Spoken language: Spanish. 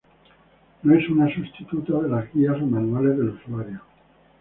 No es una sustituta de las guías o manuales del usuario.